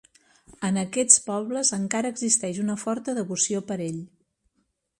En aquests pobles encara existeix una forta devoció per ell.